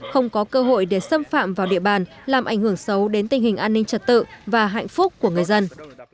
không có cơ hội để xâm phạm vào địa bàn làm ảnh hưởng xấu đến tình hình an ninh trật tự và hạnh phúc của người dân